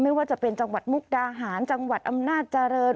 ไม่ว่าจะเป็นจังหวัดมุกดาหารจังหวัดอำนาจเจริญ